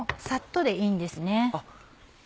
さっとでいいんですか？